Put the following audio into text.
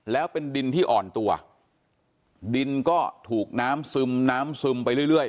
แล้วเป็นดินที่อ่อนตัวดินก็ถูกน้ำซึมน้ำซึมไปเรื่อย